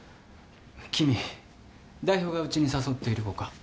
君代表がうちに誘っている子か？